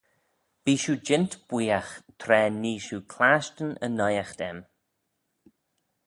Bee shiu jeant bwooiagh tra nee shiu clashtyn y naight aym.